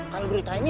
kalau beritain ini